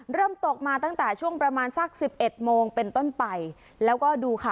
เริ่มตกมาตั้งแต่ช่วงประมาณสักสิบเอ็ดโมงเป็นต้นไปแล้วก็ดูค่ะ